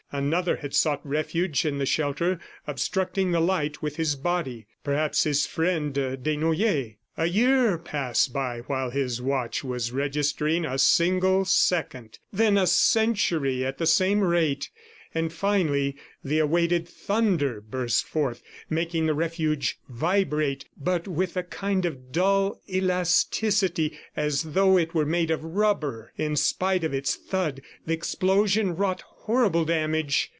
Another had sought refuge in the shelter, obstructing the light with his body; perhaps his friend Desnoyers. A year passed by while his watch was registering a single second, then a century at the same rate ... and finally the awaited thunder burst forth, making the refuge vibrate, but with a kind of dull elasticity, as though it were made of rubber. In spite of its thud, the explosion wrought horrible damage.